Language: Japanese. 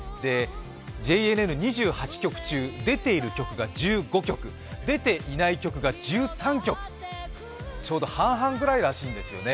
ＪＮＮ２８局中出ている局が１５局出ていない局が１３局、ちょうど半々ぐらいらしいんですよね。